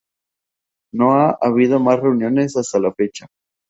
No ha habido más reuniones hasta la fecha.